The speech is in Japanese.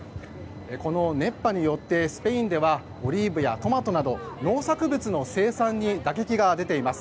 この熱波によってスペインではオリーブやトマトなど農作物の生産に打撃が出ています。